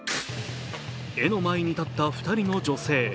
絵の前に立った２人の女性。